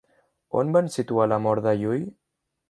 On van situar la mort de Llull?